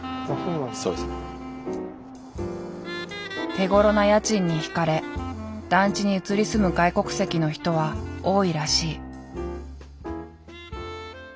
手ごろな家賃に引かれ団地に移り住む外国籍の人は多いらしい。